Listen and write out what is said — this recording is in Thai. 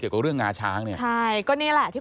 เกี่ยวกับเรื่องงาช้างเนี่ย